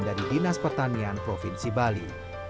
dari dinas pertanian provinsi bali